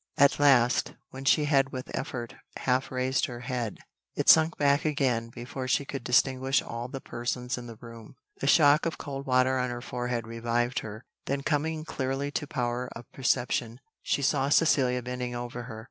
At last, when she had with effort half raised her head, it sunk back again before she could distinguish all the persons in the room. The shock of cold water on her forehead revived her; then coming clearly to power of perception, she saw Cecilia bending over her.